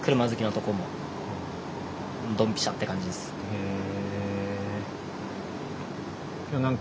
へえ！